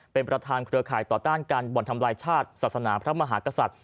เป็นประธานเครือข่ายต่อต้านการบ่อนทำลายชาติศาสนาพระมหากษัตริย์